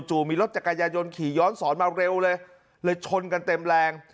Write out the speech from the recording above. มีรถจักรยายนขี่ย้อนสอนมาเร็วเลยเลยชนกันเต็มแรง